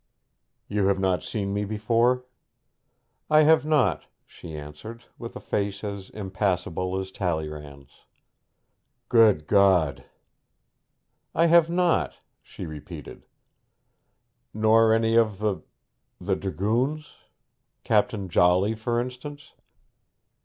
'You have not seen me before?' 'I have not,' she answered, with a face as impassible as Talleyrand's. 'Good God!' 'I have not!' she repeated. 'Nor any of the th Dragoons? Captain Jolly, for instance?'